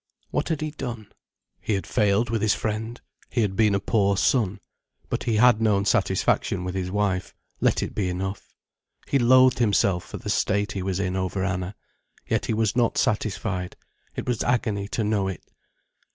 What had he done? He had failed with his friend, he had been a poor son; but he had known satisfaction with his wife, let it be enough; he loathed himself for the state he was in over Anna. Yet he was not satisfied. It was agony to know it.